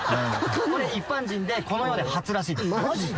一般人でこの世で初らしいでまじで？